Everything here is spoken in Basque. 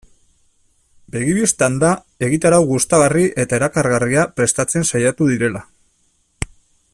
Begi bistan da egitarau gustagarri eta erakargarria prestatzen saiatu direla.